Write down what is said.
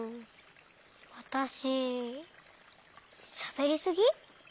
わたししゃべりすぎ？